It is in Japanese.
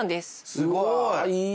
すごい！